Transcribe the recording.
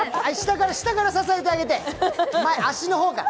下から支えてあげて、足の方から。